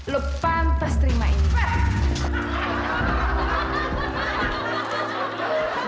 lo pantas terima ini